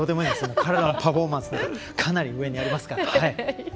彼らはパフォーマンスかなり上にありますから。